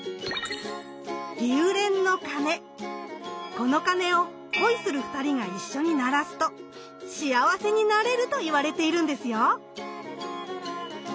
この鐘を恋する２人が一緒に鳴らすと幸せになれるといわれているんですよ。